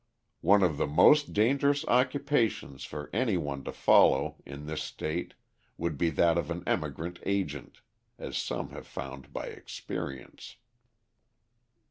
One of the most dangerous occupations for any one to follow in this state would be that of an emigrant agent as some have found by experience."